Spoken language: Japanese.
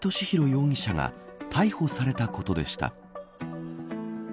容疑者が逮捕されたことでした。